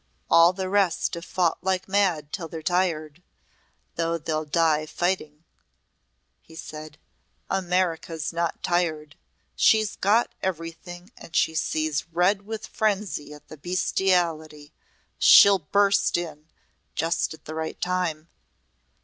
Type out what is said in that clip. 'All the rest have fought like mad till they're tired though they'll die fighting,' he said. 'America's not tired. She's got everything and she sees red with frenzy at the bestiality. She'll burst in just at the right time!'